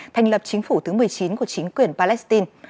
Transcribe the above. thành lập chính phủ thứ một mươi chín của chính quyền palestine